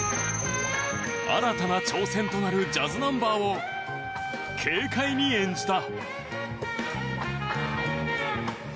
新たな挑戦となるジャズナンバーを軽快に演じた。